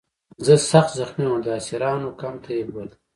زه سخت زخمي وم او د اسیرانو کمپ ته یې بوتلم